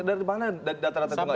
dari mana data data itu nggak dibuka